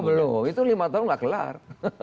belum itu lima tahun nggak kelar